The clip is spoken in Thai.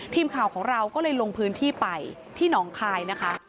ทีมข่าวของเราก็เลยลงพื้นที่ไปที่หนองคายนะคะ